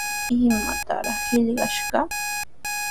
¿Imatrawraq qillqashaq?